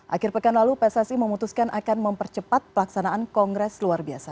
akhir pekan lalu pssi memutuskan akan mempercepat pelaksanaan kongres luar biasa